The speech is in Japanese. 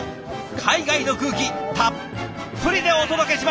海外の空気たっぷりでお届けします。